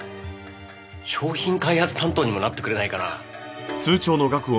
商品開発担当にもなってくれないかな。